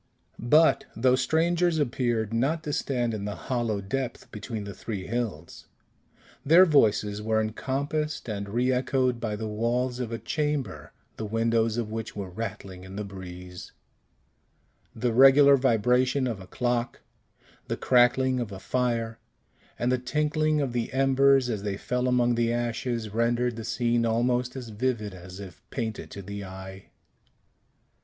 But those strangers appeared not to stand in the hollow depth between the three hills. Their voices were encompassed and reechoed by the walls of a chamber, the windows of which were rattling in the breeze; the regular vibration of a clock, the crackling of a fire, and the tinkling of the embers as they fell among the ashes, rendered the scene almost as vivid as if painted to the eye.